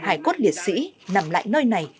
hải cốt liệt sĩ nằm lại nơi này